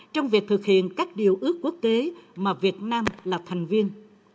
trong việc thực hiện các điều ước quốc tế mà việt nam là thành viên